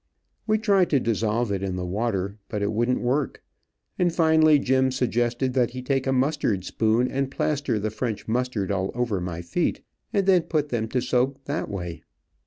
We tried to dissolve it in the water, but it wouldn't work, and finally Jim suggested that he take a mustard spoon and plaster the French mustard all over my feet, and then put them to soak that way.